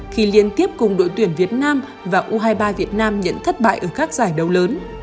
khi liên tiếp cùng đội tuyển việt nam và u hai mươi ba việt nam nhận thất bại ở các giải đấu lớn